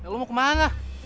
lo mau kemana